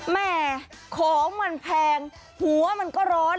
แม่ของมันแพงหัวมันก็ร้อน